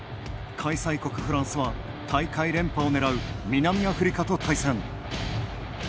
開催国フランスは大会連覇を狙う南アフリカと対戦。